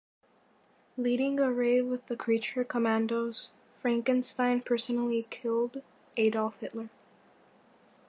Leading a raid with the Creature Commandos, Frankenstein personally killed Adolf Hitler.